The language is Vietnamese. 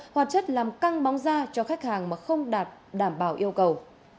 hoạt chất làm căng bóng da cho khách hàng mà không đạt đảm bảo yêu cầu